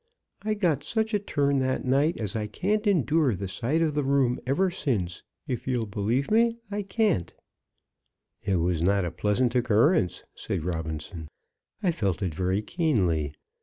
I got such a turn that night, as I can't endure the sight of the room ever since. If you'll believe me, I can't." "It was not a pleasant occurrence," said Robinson. "I felt it very keenly.